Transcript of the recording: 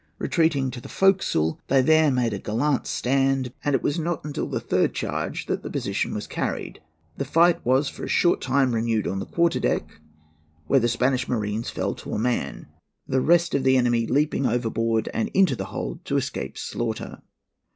Retreating to the forecastle, they there made a gallant stand, and it was not until the third charge that the position was carried. The fight was for a short time renewed on the quarterdeck, where the Spanish marines fell to a man, the rest of the enemy leaping overboard and into the hold to escape slaughter.